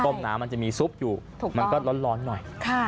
น้ำมันจะมีซุปอยู่มันก็ร้อนหน่อย